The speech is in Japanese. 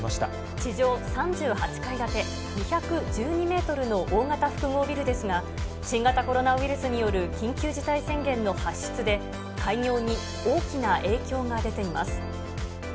地上３８階建て、２１２メートルの大型複合ビルですが、新型コロナウイルスによる緊急事態宣言の発出で、開業に大きな影響が出ています。